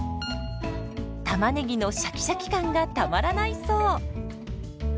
たまねぎのシャキシャキ感がたまらないそう。